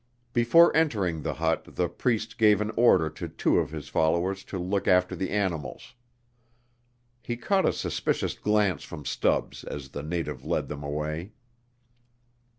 Before entering the hut the Priest gave an order to two of his followers to look after the animals. He caught a suspicious glance from Stubbs as the native led them away.